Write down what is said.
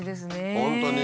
本当に。